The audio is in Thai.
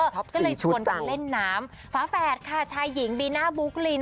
ก็เลยชวนกันเล่นน้ำฝาแฝดค่ะชายหญิงบีน่าบุ๊กลิน